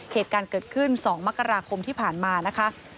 เหตุการณ์เกิดขึ้น๒มกราคมที่ผ่านมานะคะ